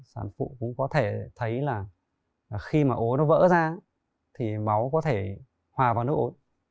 sản phụ cũng có thể thấy là khi mà ố nó vỡ ra thì máu có thể hòa vào nước ốm